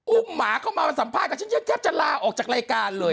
อุ้มหมาเข้ามามาสัมภาษณ์กันแค่จะละออกจากรายการเลย